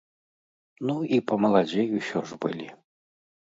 Ну, і памаладзей усё ж былі.